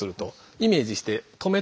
イメージして止めておくと。